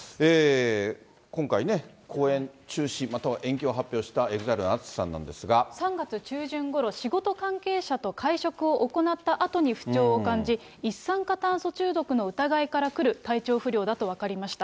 今回ね、公演中止または延期を発表したＥＸＩＬＥのＡＴＳＵＳＨＩさんな３月中旬ごろ、仕事関係者と会食を行ったあとに不調を感じ、一酸化炭素中毒の疑いからくる体調不良だと分かりました。